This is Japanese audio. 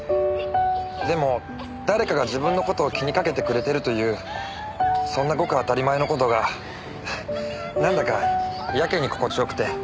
でも誰かが自分の事を気にかけてくれてるというそんなごく当たり前の事がなんだかやけに心地よくて。